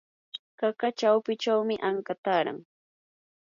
qaqa chawpinchawmi anka taaran.